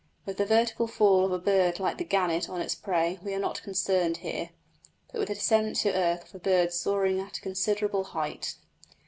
With the vertical fall of a bird like the gannet on its prey we are not concerned here, but with the descent to earth of a bird soaring at a considerable height.